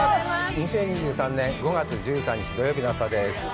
２０２３年５月１３日、土曜日の朝です。